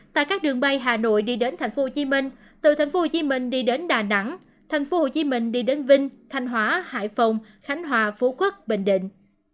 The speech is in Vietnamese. tại các đường bay hà nội đi đến tp hcm từ tp hcm đi đến đà nẵng tp hcm đi đến vinh thanh hóa hải phòng khánh hòa phú quốc bình định